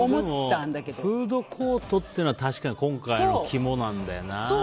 フードコートっていうのは確かに今回の肝なんだよな。